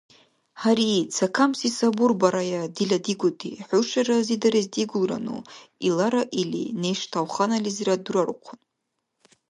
– Гьари, цакамси сабурбарая, дила дигути, хӀуша разидарес дигулрану, – илира или, неш тавханализирад дурарухъун.